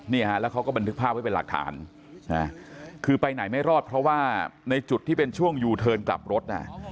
นี่ฮะแล้วเขาก็บันทึกภาพไว้เป็นหลักฐานคือไปไหนไม่รอดเพราะว่าในจุดที่เป็นช่วงยูเทิร์นกลับรถ